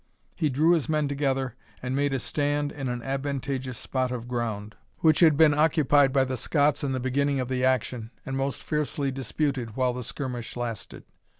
He drew his men together, and made a stand in an advantageous spot of ground, which had been occupied by the Scots in the beginning of the action, and most fiercely disputed while the skirmish lasted.